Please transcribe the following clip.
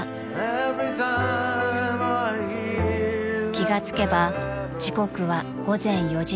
［気が付けば時刻は午前４時すぎ］